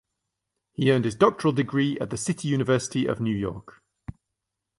He earned his doctoral degree at the City University of New York.